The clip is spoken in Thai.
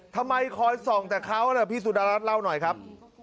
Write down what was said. ทำไมคอยส่องแต่เขาล่ะพี่สุดารัฐเล่าหน่อยครับ